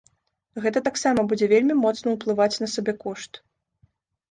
Гэта таксама будзе вельмі моцна ўплываць на сабекошт.